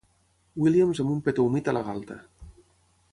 Williams amb un petó humit a la galta.